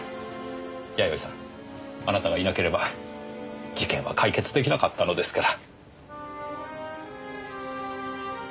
やよいさんあなたがいなければ事件は解決できなかったのですから。